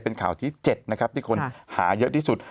เป็นข่าวที่๗ที่คนหาเยอะที่สุด